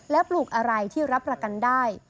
และปลูกอะไรที่รับประกันได้